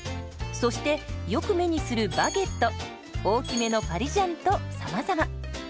そしてよく目にするバゲット大きめのパリジャンとさまざま。